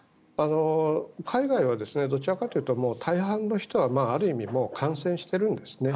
海外はどちらかというと大半の人はある意味、感染してるんですね。